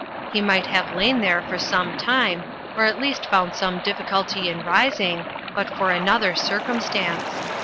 He might have lain there for some time, or at least fotmd some difficulty in rising, but for another cir cumstance.